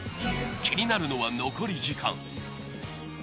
気になるのは残り時間。